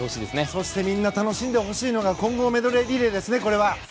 そしてみんな楽しんでほしいのが混合メドレーリレーですね。